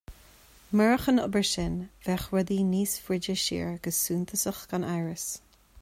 Murach an obair sin bheadh rudaí níos faide siar go suntasach gan amhras